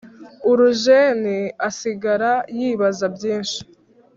urujeni asigara yibaza byinshi